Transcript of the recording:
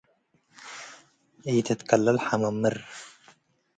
ኢትትከለል ሐመምር